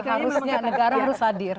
harusnya negara harus hadir